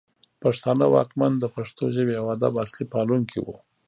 پښتانه واکمن د پښتو ژبې او ادب اصلي پالونکي وو